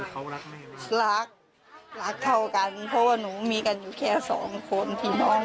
เขารักแม่ไหมรักรักเท่ากันเพราะว่าหนูมีกันอยู่แค่สองคนพี่น้อง